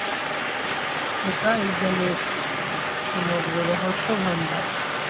ইহাই এই জ্ঞানের সমগ্র রহস্য।